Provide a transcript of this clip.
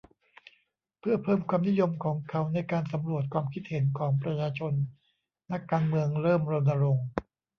เพื่อเพิ่มความนิยมของเขาในการสำรวจความคิดเห็นของประชาชนนักการเมืองเริ่มรณรงค์